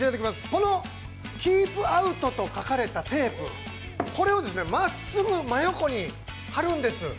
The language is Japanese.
このキープアウトと書かれたテープをまっすぐ真横に張るんです。